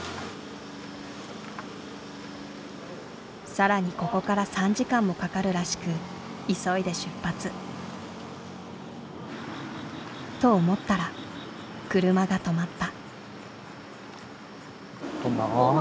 更にここから３時間もかかるらしく急いで出発。と思ったら車が止まった。